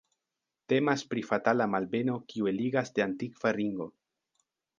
Temas pri fatala malbeno kiu eligas de antikva ringo.